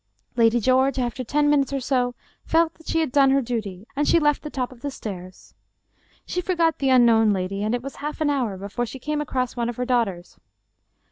Lady George after ten minutes or so felt that she had done her duty and she left the top of the stairs. She forgot the unknown lady, and it was half an hour before she came across one of her daughters.